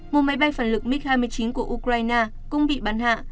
một máy bay phản lực mig hai mươi chín của ukraine cũng bị bắn hạ